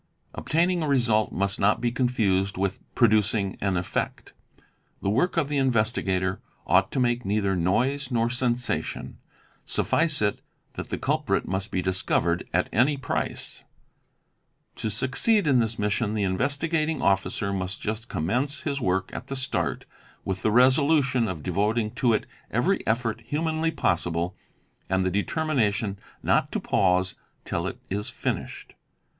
"Obtaining a result' must not be confused with 'producing an effect." The work of the investigator ought to make neither noise nor sensation: suffice it that the culprit must be discovered at any price. To succeed in his mission the Investigating Officer must just conimence his work at the start with the resolution of devoting to it every effort humanly possible and the determination not to pause till it is finished.